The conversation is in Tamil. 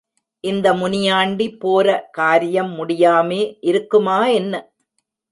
இந்த முனியாண்டி போர காரியம் முடியாமே இருக்குமா என்ன?